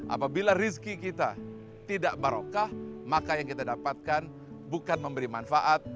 apabila rizki kita tidak barokah maka yang kita dapatkan bukan memberi manfaat